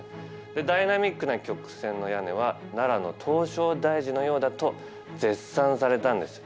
ダイナミックな曲線の屋根は奈良の唐招提寺のようだと絶賛されたんですよ。